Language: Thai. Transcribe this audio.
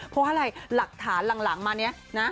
เพราะอะไรหลักฐานหลังมาเนี่ยนะ